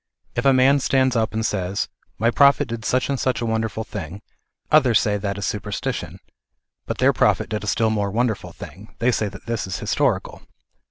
If a man stands up and says " My prophet did such and such a wonderful thing," others say that is superstition ; but their prophet did a still more wonderful thing ; they say that this is historical.